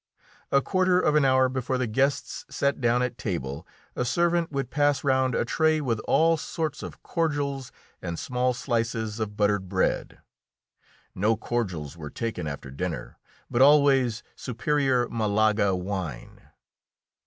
A quarter of an hour before the guests sat down at table a servant would pass round a tray with all sorts of cordials and small slices of buttered bread. No cordials were taken after dinner, but always superior Malaga wine.